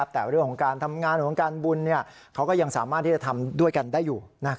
แต่เรื่องของการทำงานของการบุญเขาก็ยังสามารถที่จะทำด้วยกันได้อยู่